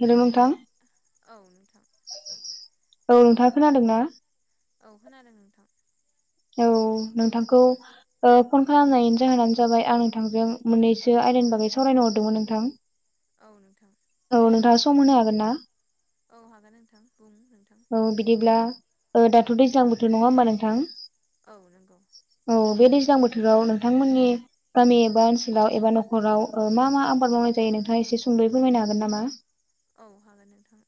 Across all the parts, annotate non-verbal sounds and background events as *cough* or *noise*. हेल' नोंथां। औ नोंथां। औ नोंथाङा खोनादोंना? औ खोनादों नोंथां औ नोंथांखौ ओ फन खालामनायनि जाहोनानो जाबाय आं नोंथांजों मोननैसो आयदानि बागै सावरायनो हरदोंमोन नोंथां। *inaudible* औ नोंथां। औ नोंथां सम होनो हागोन ना? औ हागोन नोंथां बुं नोंथां। औ बिदिब्ला दाथ' दैज्लां बोथोर नङा होमबा नोंथां? औ नंगौ। औ बे दैज्लां बोथोराव नोंथांमोननि गामि एबा ओनसोलाव एबा न'खराव मा मा आबाद मावनाय जायो नोंथाङा एसे सुंदयै फोरमायनो हागोन नामा? औ हागोन नोंथां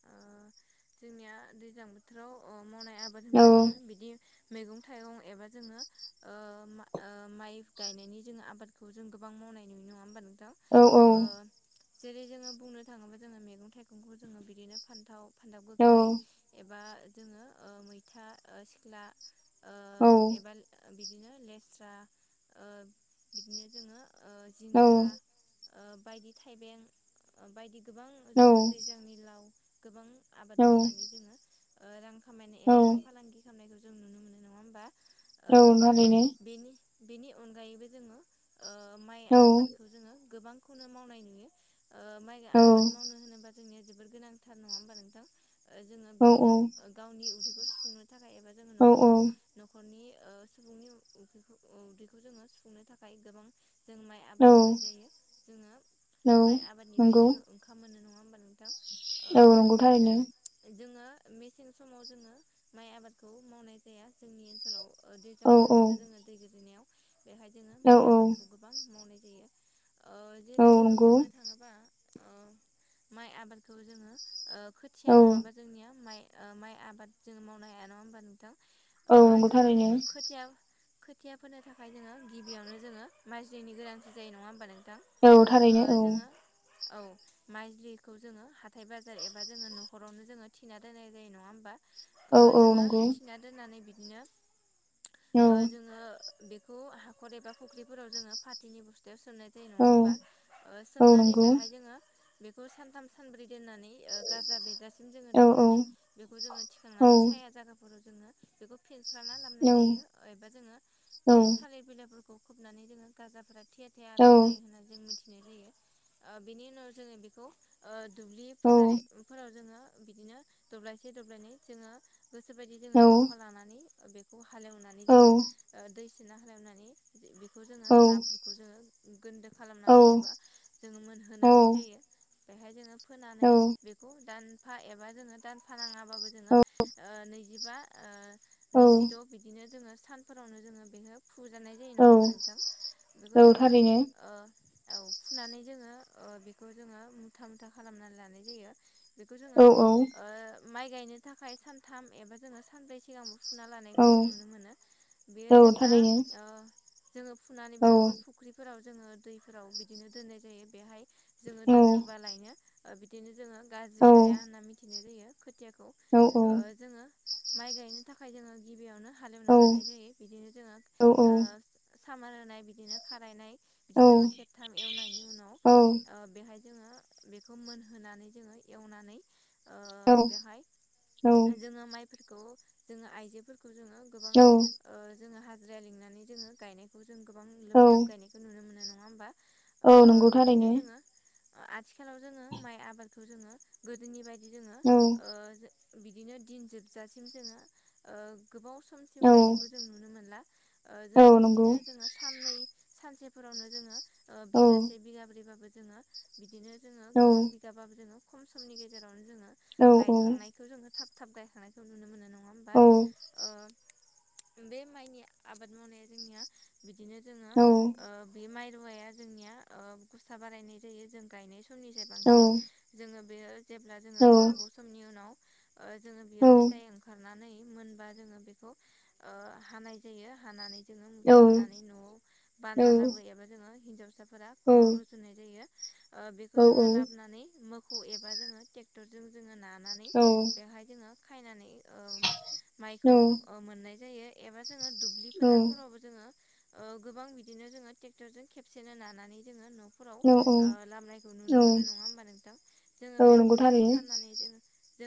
जोंनिया दैज्लां बो बोथोराव मावनाय आबाद औ होनबा जोङो बिदि मैगं थाइगं एबा जोङो ओ मा- ओ माइ गायनायनि जोङो आबादखौ जों गोबां मावनाय नुनाय नङा होमबा नोंथां? औ ओ जेरै जोङो बुंनो थाङोब्ला जोङो मैगं थाइगंखौ जोङो बिदिनो फान्थाव फानथाव औ गोखै एबा जोङो ओ मैथा ओ सिख्ला ओ औ एबाल ओ बि दिनो लेस्रा ओ बिदिनो दोङो ओ जिंखा। ओ बायदि थाइबें बायदि गोबां औ जोङो दैज्लांनि लाव गोबां आबाद औ मावनानै जोङो ओ रां खामायनाय एबा औ जों फालांगि खालामनायखौ जों नुनो मोनो नङा होमबा? ओ औ थारैनो बेनि बेनि अनगायैबो जोङो ओ माइ औ आबादखौ जोङो गोबांखौनो मावनाय नुयो ओ माइ औ आबाद मावनो होनोबा जोंनिया जोबोर गोनांथार नङा होमबा नोंथां? ओ जोङो बिदिनो औ ओ गावनि उदैखौ सुफुंनो थाखाय एबा जोङो औ न'खरखौ औ न'खरनि ओ सुबुंनि उ उ उदैखौ जोङो सुफुंनो थाखाय गोबां जों माइ औ आबाद मावनाय जायो। जोङो औ माइ आबादनिफ्राय नंगौ जोङो ओंखाम मोनो नङा होमबा नोंथां ओ औ नंगौ थारैनो जोङो मेसें समाव जोङो माइ आबादखौ मावनाय जाया जोंनि ओनसोलाव ओनसोलाव ओ औ दैज्लां औ समावसो जोङो दै गोजैनायाव बेवहाय जोङो औ माइ औ आबादखौ गोबां मावनाय जायो। ओ औ जेरै जोङो नंगौ बुंनो थाङोबा ओ माइ आबादखौ जोङो ओ खोथिया औ नङाबा जोंनिया माइ ओ माइ आबाद जोङो मावनो हाया नङा होमबा नोंथां? औ ओ नंगौ जोङो थारैनो खोथिया खोथिया फोनो थाखाय जोङो गिबियावनो जोङो माइल्जिनि गोनांथि जायो नङा होमबा नोंथां? औ ओ थारैनो औ जोङो औ माइल्जि खौ जोङो हाथाय बाजार एबा जोङो न'खरावनो जोङो थिना दोननाय जायो नङा होमबा? ओ औ औ जोङो नंगौ थिना दोननानै बिदिनो औ ओ जोङो बे खौ हाखर एबा फुख्रिफोराव जोङो पाथिनि बुस्थायावव सोनाय जे नङा औ होमबा औ सोमनानै नंगौ बेहाय जोङो बेखौ सानथाम सानब्रै दोननानै ओ गाजा बेरजासिम जोङो औ दोननानै बेखौ जोङो औ थिखांनानै साया जायगाफोराव जोङो बेखौ फेनस्राना लामनाय औ जायो एबा जोङो औ बिदिनो थालिर बिलाइफोरखौ खबनानै जोङो गाजाफोरा थेया थेया औ आराम जायो होननानै जों मिथियो। फिनाय जायो ओ बेनि उनाव जोङो बेखौ ओ दुब्लि फोथारेफोराव जोङो बिदिनो दब्लायसे दब्लायनै जोङो गोसोबायदि जोङो जखा लानानै ओ बेखौ हालेवनानै जोङो दै सिना हालेवनानै बेखौ जोङो हाब्रुखौ जोङो गोनदो खालामनानै एबा जोङो मोनहोनानै जायो। बेहाय जोङो फोनानै बेखौ दानफा एबा जोङो दान फानाङाबाबो जोङो ओ नैजिबा ओ नैजिद' बिदिनो जोङो सान फोरावनो जोङो बेखो फुजानाय जायो नङा औ होमबा नोंथां। बेखौ औ जोङो थारैनो ओ औ फुनानै जोङो ओ बेखौ जोङो मुथा मुथा खालामनानै लानाय जायो। बेखौ औ जोङो औ ओ माइ गायनो थाखाय सानथाम एबा जोङो सानब्रै सिगांबो फु ना औ लानायखौ जों नुनो मोनो बेयो औ जेब्ला थारैनो ओ जोङो फुनानै औ बेखौ फुख्रिफोराव जोङो दैफोराव बिदिनो दोननाय जायो बेहाय जोङो औ दोनो बा लायनो ओ बिदिनो जोङो गाज्रि जाया होनना मिथिनाय जायो खोथियाखौ। ओ जोङो माइ गायनो थाखाय जोङो गिबियावनो हालेवना लानाय जायो। बिदिनो जोङो औ ओ सामार होनाय बिदिनो खारायनाय बिदि औ जोङो खेबथाम एवनायनि उनाव औ ओ बेहाय जोङो बेखौ मोनहोनानै जोङो एवनानै ओ औ बेवहाय औ जोङो माइफोरखौ जोङो आइजोफोर खौ जोङो गोबां औ ओ जोङो हाजिरा लिंनानै जोङो गायनाय खौ जों गोबां लोब लोब औ गायनायखौ नुनो मोननाय नङा होमबा। औ ओ नंगौ बिदिनो थारैनो जोङो ओ आथिखालाव जोङो माइ आबादखौ जोङो गोदोनि बायदि जोङो औ ओ बिदिनो दिन जोबजासिम जोङो ओ गोबाव समसिम औ गायनायखौ जों नुनो मोनला ओ औ जोङो नंगौ बिदिनो जोङो साननै सानसेफोरावनो जोङो ओ औ बिगासे बिगाब्रैबाबो जोङो बिदिनो जोङो औ गोबां बिगाबाबो जोङो खम समनि गेजेरावनो जोङो औ गायखांनायखौ जोङो थाब थाब गायखांनायखौ नुनो मोनो नङा होमबा। औ ओ बे माइनि आबाद मावनाया जोंनिया, बिदिनो जोङो औ ओ बे माइरुवाया जोंनिया ओ गुसा बारायनाय जायो जों गायनाय समनिफ्राय बांसिन। जोङो बेयो जेब्ला जोङो औ गोबोव समनि उनाव ओ जोङो बेयाव फिथाइ ओंखारनानै मोनबा जोङो बे *unintelligible* ओ हानाय जायो हानानै जोङो मुथा औ औ हानानै न'आव बानना लाबोयो एबा जोङो हिनजावसाफोरा खर' रुजु दोन्नाय जायो। ओ बेखौ जोङो लाबोनानै मोखौ एबा जोङो टेक्टरजों जोङो ना नानै बेहाय जोङो खायनानै ओ-माइखौ मोननाय जायो एबा जोङो दुब्लि फोथारफोरावबो जोङो ओ गोबां बिदिनो जोङो ट्रेक्टरजों खेबसेनो नानानै जोङो न'फोराव ओ लामनाय नुनो औ मोन नङा होम्बा नोंथां। जोङो औ बेखौ नंगौ माइखौ थारैनो फाननानै जों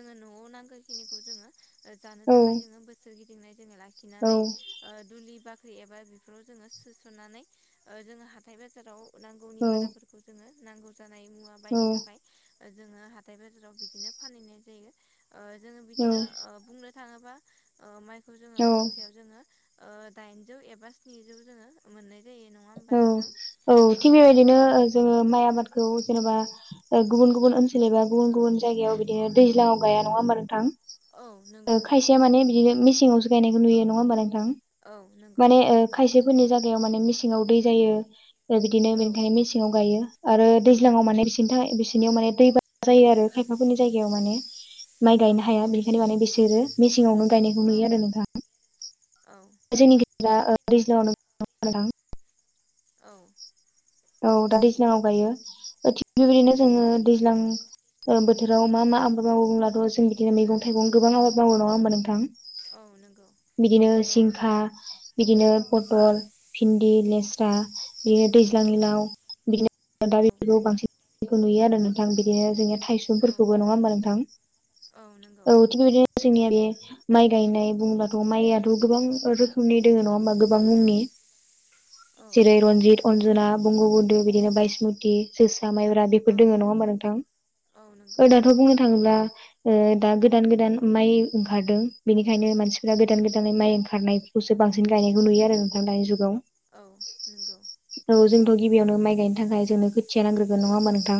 जोङो न'आव नांगो खिनि खौ जोङो ओ जानो औ थाखाय जोङो बोसोर गिदिंनाय जोङो लाखिनानै औ दुलि बाख्रि एबा बेफोराव जोङो सोस'नानै जोङो हाथाय बाजाराव नांगौनि बाराफोरखौ जोङो नांगौ जानाय मुवा बायनो थाखाय जोङो हाथाय बाजाराव बिदिनो फानहैनाय जायो ओ जोङो औ बिदिनो ओ बुंनो थाङोबा ओ माइखौ जोङो औ मनसेयाव जोङो दाइनजौ एबा स्निजौ जोङो मान्नाय जायो होमबा औ नोंथां औ थिग ओ बेबायदिनो जोङो माइ आबादखौ जेनेबा गुबुन गुबुन ओनसोल एबा गुबुन गुबुन जायगायाव बिदिनो दैज्लाङाव गाया नङा होमबा नोंथां। औ नंगौ ओ नोंथां खायसेया माने बिदिनो मेसेङावसो गायनायखौ नुयो नङा होनोमबा नोंथां। औ नंगौ माने ओ खायसेफोरनि जायगायाव माने मेसेङाव दै जायो। ओ बिदिनो बेनिखायनो औ मेसेङाव गायो। आरो दैज्लाङाव माने बिसोरनि थाखाय बिसोरनियाव माने दैबा जायो आरो खायफाफोरनि जायगायाव माने। माइ गायनो हाया नंगौ बेनिखायनो माने बिसोरो मेसेङावनो गायनायखौ औ नुयो आरो नोंथां। औ। जोंनिखैजा ओ दैज्लांयावनो गायो नोंथां। औ। औ दा दैज्लाङाव गायो, थिग बेबायदिनो जोङो दैज्लां ओ बोथोराव मा मा आबाद मावो बुंब्लाथ' जों बिदिनो मैगं थाइगं गोबां आबाद मावो नङा होनोमबा नोंथां। औ नंगौ। बिदिनो जिंखा बिदिनो पटल भिन्दि, लेस्रा, औ बेयो दै औ दा औ औ बेफोरखौ बांसिनखौ नुयो आरो नोंथां बिदिनो जोंनिया थाइस' फोरखौबो नङा होमबा नोंथां। औ थिग बेदिनो जोंनिया बे माइ गायनाय बुंब्लाथ' माइयाथ' गोबां रोखोमनि दङ नङा होमबा गोबां मुंनि। औ जेरै रन्जित, अनजना, बंग बन्धु, बिदिनो बायसमुति जोसा माइब्रा बेफोर औ दोङो नङा होमबा नोंथां। औ नंगौ ओ दाथ' बुंनो थाङोब्ला ओ दा गोदान गोदान माइ ओंखारदों बेनिखायनो मानसिफोरा गोदान गोदानै माइ ओंखारनाय खौसो बांसिन गायनायखौ नुयो आरो नोंथां दानि जुगाव। औ नंगौ। औ जोंथ' गिबियावनो माइ गायनो थाखाय जोंनो खोथिया नांग्रोगोन नङा होमबा नोंथां।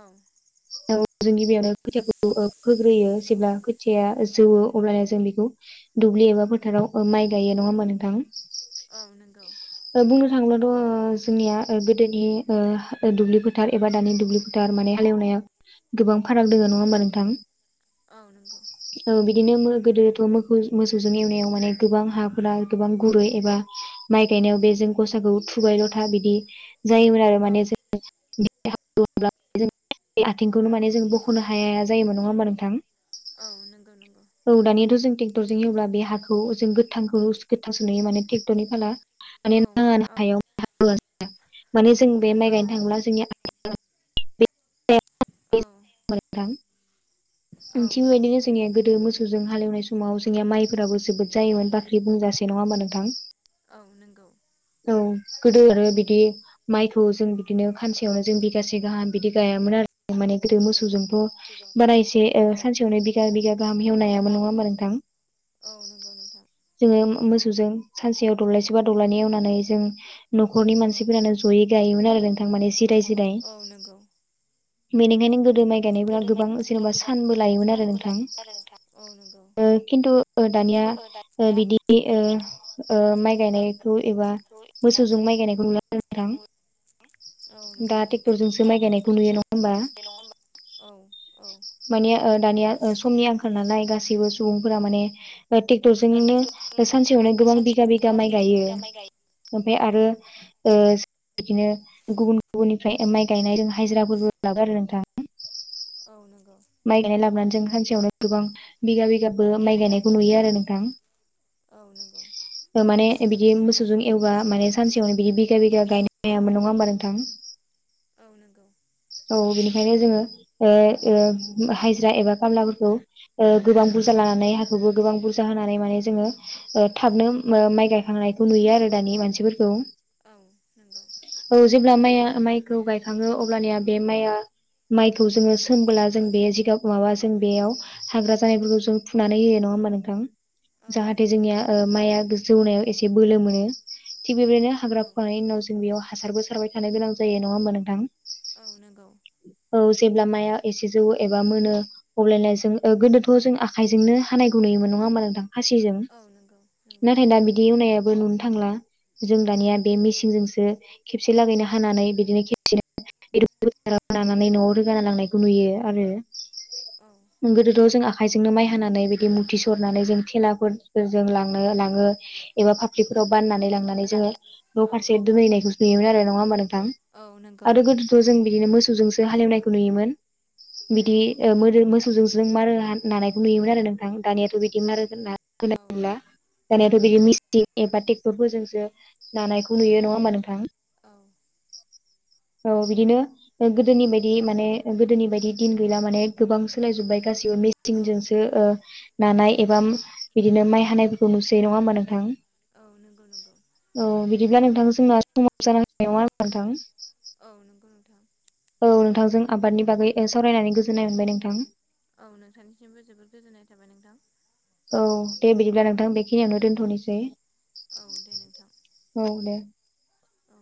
औ। *inaudible* औ जों गिबियावनो खोथियाखौ ओ फोग्रोयो जेब्ला खोथिया जौयो अब्लानो जों बेखौ दुब्लि एबा फोथाराव ओ माइ गायो नङा होमबा नोंथां औ नोंगौ ओ बुंनो थाङोब्लाथ' जोंनिया ओ गोदोनि ओ दुब्लि फोथार एबा दानि दुब्लि फोथार माने हालेवनाया गोबां फाराग दोङो नङा होमबा नोंथां। औ नंगौ। औ बिदिनो मो गोदोथ' मोखौ-मोसौजों एवनायाव माने गोबां हाफोरा गोबां गुरै एबा माइ गायनायाव बे जों गसाखौ थुबायलथा बिदि जायोमोन आरो। औ माने *unintelligible* आथिंखौनो माने जों औ बख'नो हाया हाया जायोमोन नङा होमबा नोंथां। औ नंगौ नंगौ। औ दानियाथ' जों टेक्टरजों एवब्ला बे हाखौ जों गोथांखौ गोथां सो नुयो माने टेक्टरनि फाला माने औ औ *unintelligible* माने जोंबे माइ औ गायनो थांब्ला जोंनि *unintelligible* *unintelligible* ओंथिं नंगौ बेबायदिनो जोंनिया गोदो मोसौ जों हालेवनाय समाव जोंनिया माइफोराबो जोबोद जायोन बाख्रि बुंजासे नङा होमबा नोंथां। औ नोंगौ। औ गोदो आरो बिदि माइखौ जों बिदिनो खानसेयावनो जों बिगासे गाहाम बिदि गायामोन आरो माने गोदो मोसौजोंथ' बारायसे औ सानसेयावनो बिगा बिगा गाहाम औ हेवनायाबो नङा होमबा नोंथां नंगौ नोंथां *inaudible* जोङो मोसौजों सानसेयाव दौलायसे बा दौलायनि एवनानै जों न'खरनि मानसिफोरानो जयै गायोमोन आरो नोंथां माने जिराय जिराय औ नंगौ बिनिखायनो गोदो माइ गायनायफोरा गोदो गोबां माइफोरा जेनेबा गोबां सानबो लायोमोन आरो सानबो नोंथां। लायोमोन आरो नोंथां औ नोंगौ ओ खिन्थु ओ दानिया ओ बिदि ओ बिदि ओ माइ गायनायखौ एबा गायनायखौ मोसौजों माइ गायनायखौ नुला *unintelligible* *unintelligible* औ दा नोंगौ ट्रेक्टरजोंसो माइ गायनायखौ *unintelligible* नुयो नङा होमबा *unintelligible* औ औ माने ओ दानिया ओ समनि आंखाल नालाय गासैबो सुबुंफोरा माने ओ टेक्टरजोंनो ओ ट्रेक्टरजोंनो सानसेयावनो गोबां सानसे बिगा बिगा गोबां माइ गायो बिगा माइ गायो ओमफाय औ आरो ओ *unintelligible* बिदिनो गुबुन गुबुननिफ्राय माइ गायनाय जों हाजिराफोरबो ला *unintelligible* आरो नोंथां औ नोंगौ माइ गायनाय लाबोनानै जों सानसेयावनो गोबां बिगा बिगाबो बिगा माइ बिगा गायनायखौ नुयो आरो नोंथां। औ नोंगौ ओ माने बिदि मोसौजों एवबा माने सानसेयावनो बिदि बिगा बिगा बिदि गायनाय *unintelligible* नङा होमबा नोंथां? औ नोंगौ औ बिनिखायनो जोङो ओ ओ हाजिरा एबा खामलाफोरखौ ओ गोबां बुरजा लानानै हाखौबो गोबां बुरजा होनानै माने जोङो ओ थाबनो मो माइ गायखांनायखौ नुयो आरो दानि मानसिफोरखौ। औ नोंगौ औ जेब्ला माइया माइखौ गायखाङो अब्लानिया बे माइआ माइखौ जोङो सोमबोला जों बे जिगाब माबा जों बेयाव हाग्रा जानायफोरखौ जों फुनानै होयो नङा होमबा नोंथां औ जाहाथे नंगौ जोंनिया ओ माइआ जौनायाव एसे बोलो मोनो थिग बेबायदिनो हाग्रा औ फुखानायनि उनाव जों बेयाव हासारबो सारबाय थानो गोनां जायो नङा होमबा नोंथां औ नोंगौ औ जेब्ला माया एसे जौ एबा मोनो अब्लायाय जों गोदोथ' जों आखाइजोंनो हानायखौ नुयोमोन नङा होमबा नोंथां। खासिजों औ नंगौ नंगौ नाथाय दा बिदि एवनायाबो नुनो थांला। जों दानिया बे मेसिनजोंसो खेबसे लागैनो हानानै बिदिनो खेबसे लानानै न'आव रोगाना लांनायखौ नुयो। आरो औ गोदोथ' जों आखाइजोंनो माइ हानानै बिदि मुथि सरनानै जों थेलाफोर फोरजों लांनो लाङो एबा पाब्लिकफोराव बाननानै लांना नै होननानै जोङो न' औ फारसे दोनहैनायखौ नुयोमोन आरो नङा होनबा नोंथां औ नंगौ आरो गोद थ' जों बिदिनो मोसौजोंसो हालेवनायखौ नुयोमोन बिदि औ ओ मोरो मोसौजों जों मारो हा नानायखौ नुयोमोन आरो नोंथां दानियाथ' बिदि मारो होना *unintelligible* औ दानियााथ' बिदि मिस्टिक एबा ट्रेक्टरफोरजोंसो नानायखौ नुयो नङा होमा नोंथां। औ औ बिदिनो गोदोनि बायदि माने गोदोनि बायदि बि दिन गैला माने गोबां सोलाय जोबबाय गासिबो औ मेसिनजोंसो ओ नानाय एबा बिदिनो माइ हानायफोरखौ नुसै नङा होमा नोंथां। औ नंगौ नंगौ। औ बिदिब्ला नोंथां जोंना समाव जानाहोबाय नङा आरो नोंथां। औ नंगौ नोंथां। औ नोंथांजों आबादनि बागै सावरायनानै गोजोननाय मोनबाय नोंथां। औ नोंथांनिसिमबो जोबोद गोजोननाय थाबाय नोंथां। औ दे बिदिब्ला नोंथां बेखिनियावनो दोनथ'नोसै। औ दे नोंथां। औ दे। औ